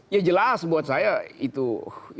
ya jelas buat saya itu